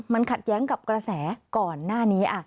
มันขัดแย้งกับกระแสก่อนหน้านี้